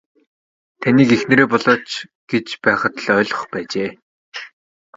Таныг эхнэрээ болооч гэж байхад л ойлгох байжээ.